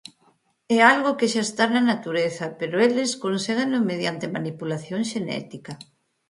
É algo que está xa na natureza, pero eles conségueno mediante manipulación xenética.